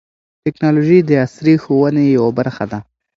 ټیکنالوژي د عصري ښوونې یوه برخه ده.